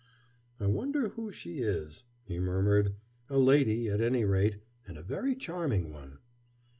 "I wonder who she is," he murmured. "A lady, at any rate, and a very charming one."